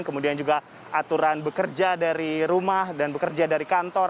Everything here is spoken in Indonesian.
kemudian juga aturan bekerja dari rumah dan bekerja dari kantor